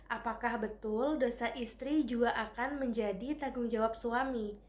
apakah betul dosa istri juga akan menjadi tanggung jawab suami